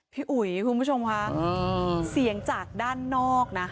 อุ๋ยคุณผู้ชมค่ะเสียงจากด้านนอกนะ